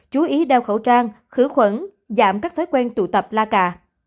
chú ý đeo khẩu trang khử khuẩn giảm các thói quen tụ tập la cà